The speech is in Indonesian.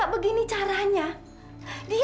ibu diam aja deh